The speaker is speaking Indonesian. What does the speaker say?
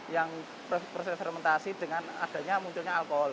yang proses fermentasi dengan adanya munculnya alkohol